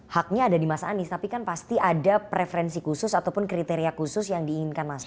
haknya ada di mas anies tapi kan pasti ada preferensi khusus ataupun kriteria khusus yang diinginkan mas anies